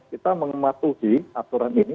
kita mengatuhi aturan ini